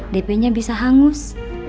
depenya bisa hangus